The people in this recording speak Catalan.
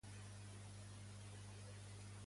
Com el punt de vista de la resta, en general?